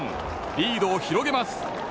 リードを広げます。